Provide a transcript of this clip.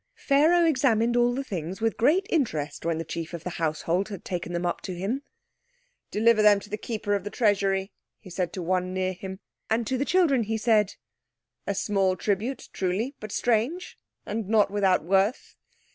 Pharaoh examined all the things with great interest when the chief of the household had taken them up to him. "Deliver them to the Keeper of the Treasury," he said to one near him. And to the children he said— "A small tribute, truly, but strange, and not without worth.